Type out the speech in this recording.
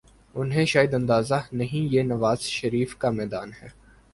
انہیں شاید اندازہ نہیں یہ نواز شریف کا میدان ہے۔